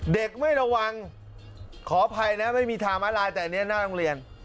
ไม่ระวังขออภัยนะไม่มีทางมาลายแต่อันนี้หน้าโรงเรียน